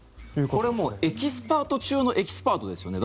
これもうエキスパート中のエキスパートですよね。